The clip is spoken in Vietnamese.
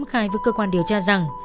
khai với cơ quan điều tra rằng